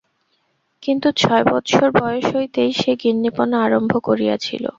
কিন্তু ছয় বৎসর বয়স হইতেই সে গিন্নীপনা আরম্ভ করিয়াছিল।